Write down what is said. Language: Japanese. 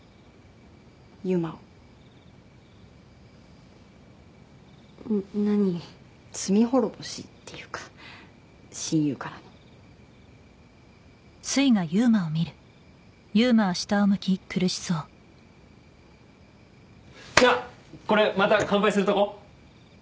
悠馬を何罪滅ぼしっていうか親友からのあっこれまた乾杯するとこ？